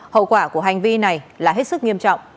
hậu quả của hành vi này là hết sức nghiêm trọng